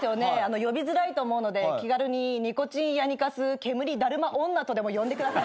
呼びづらいと思うので気軽にニコチンヤニカス煙だるま女とでも呼んでください。